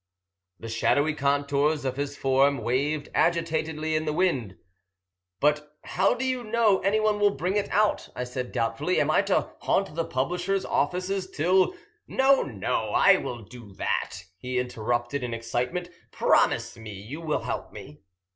The shadowy contours of his form waved agitatedly in the wind. "But how do you know anyone will bring it out?" I said doubtfully. "Am I to haunt the publishers' offices till " "No, no, I will do that," he interrupted in excitement. "Promise me you will help me."